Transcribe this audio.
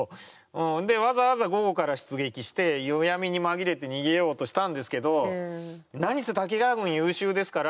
わざわざ午後から出撃して夕闇に紛れて逃げようとしたんですけど何せ武田軍優秀ですから。